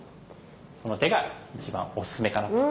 この手が一番おすすめかなと。